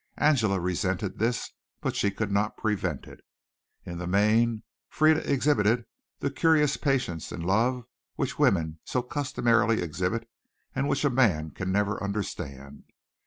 Angela resented this, but she could not prevent it. In the main Frieda exhibited that curious patience in love which women so customarily exhibit and which a man can never understand.